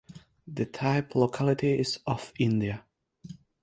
The type locality is off India.